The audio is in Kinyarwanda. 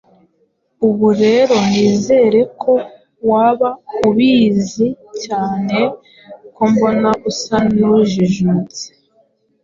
Ubu rero nizere ko waba ubizi, cyane ko mbona usa n’ujijutse.